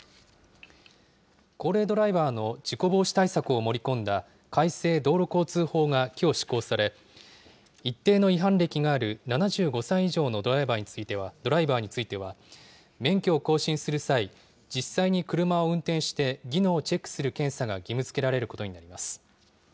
高齢ドライバーの事故防止対策を盛り込んだ改正道路交通法がきょう施行され、一定の違反歴がある７５歳以上のドライバーについては、免許を更新する際、実際に車を運転して技能をチェックする検査が義務づけられることになります。